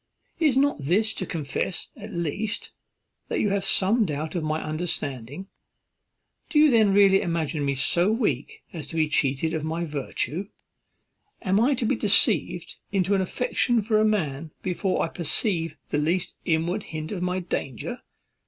Is not this to confess, at least, that you have some doubt of my understanding? do you then really imagine me so weak as to be cheated of my virtue? am I to be deceived into an affection for a man before I perceive the least inward hint of my danger?